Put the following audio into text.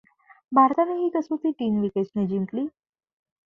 भारताने ही कसोटी तीन विकेट्सनी जिंकली.